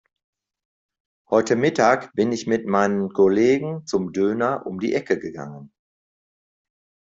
Heute Mittag bin ich mit meinen Kollegen zum Döner um die Ecke gegangen.